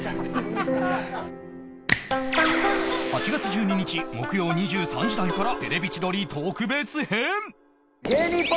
８月１２日木曜２３時台から『テレビ千鳥』特別編！